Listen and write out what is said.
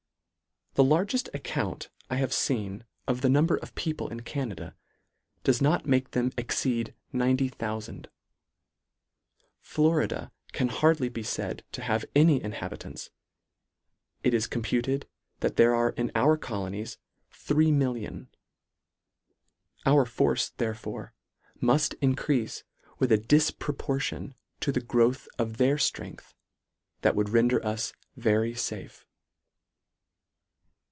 The largeft account I have feen of the num ber of people in Canada, does not make them exceed 90,000. Florida can hardly be said to have any inhabitants It is computed that there are in our colonies, 3,000,000. — Our force therefore muft encreafe with a difpro portion to the growth of their ftrcngth, that would render us very fafe.